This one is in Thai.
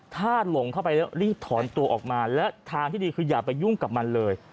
ถ้าหลงเข้าไปแล้วรีบถอนตัวออกมาและทางที่ดีคืออย่าไปยุ่งกับมันเลย